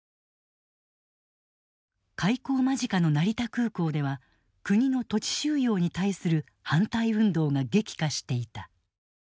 開港間近の成田空港では国の土地収用に対する反対運動が激化していた。